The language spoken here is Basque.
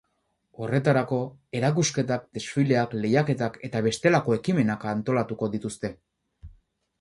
Horretarako erakusketak, desfileak, lehiaketak eta bestelako ekimenak antolatuko dituzte.